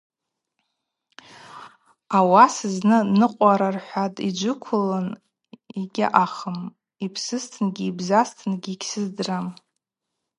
Ауаса зны ныкъвара – рхӏватӏ йджвыквлын йгьаъахым, йпсызтынгьи йбзазтынгьи гьсыздырам.